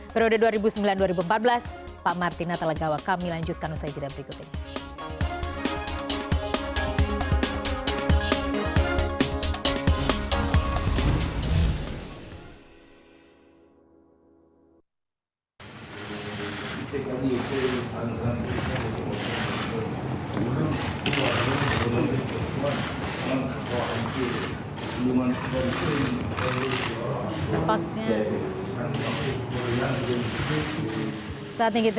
berada dua ribu sembilan dua ribu empat belas pak martina talagawa kami lanjutkan usai jadwal berikut ini